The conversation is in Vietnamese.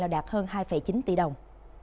đạt hơn hai chín tỷ đồng